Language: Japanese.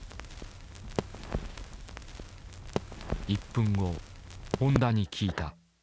１分後本多に聞いた。